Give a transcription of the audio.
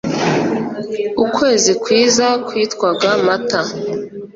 Ukwezi kwiza kwitwaga Mata